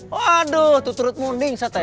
waduh tutrut mending sate